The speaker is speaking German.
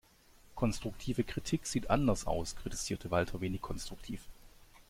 Konstruktive Kritik sieht anders aus, kritisierte Walter wenig konstruktiv.